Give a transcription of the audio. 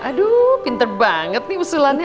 aduh pinter banget nih usulannya